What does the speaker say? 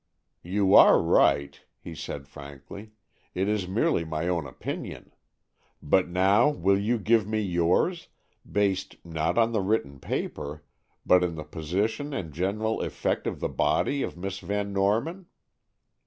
"You are right," he said frankly; "it is merely my own opinion. But now will you give me yours, based, not on the written paper, but the position and general effect of the body of Miss Van Norman?"